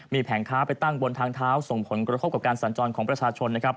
มีแผงค้าไปตั้งบนทางเท้าส่งผลกระทบกับการสัญจรของประชาชนนะครับ